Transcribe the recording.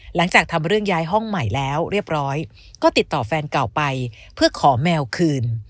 หลังจากทำเรื่องย้ายห้องใหม่แล้วเรียบร้อยก็ติดต่อแฟนเก่าไปเพื่อขอแมวคืน